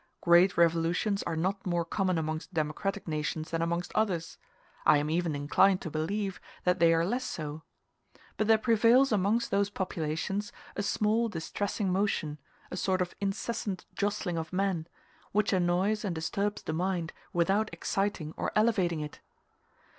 Great revolutions are not more common amongst democratic nations than amongst others: I am even inclined to believe that they are less so. But there prevails amongst those populations a small distressing motion a sort of incessant jostling of men which annoys and disturbs the mind, without exciting or elevating it.